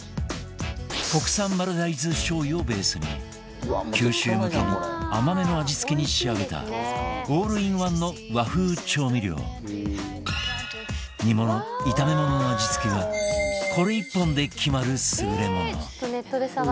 国産丸大豆しょう油をベースに九州向けに甘めの味付けに仕上げたオールインワンの和風調味料煮物炒め物の味付けがこれ１本で決まる優れもの